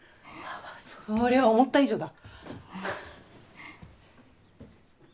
そりゃ思った以上だ。